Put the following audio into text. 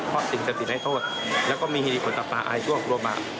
พ่อสิ่งสติในโทษแล้วก็มีฮิลิปุ่นตับป่าอายชั่วครัวบาด